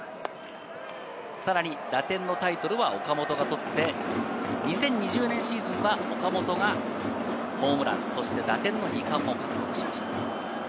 打点のタイトルは岡本が取って、２０２０年シーズンは岡本がホームラン、打点の２冠を獲得しました。